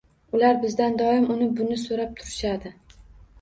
Ular bizdan doim uni buni soʻrab turishadi